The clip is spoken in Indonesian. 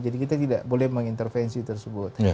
jadi kita tidak boleh mengintervensi tersebut